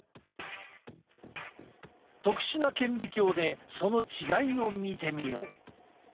特殊な顕微鏡でその違いを見てみよう。